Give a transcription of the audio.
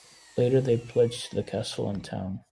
Later, they pledged the castle and town.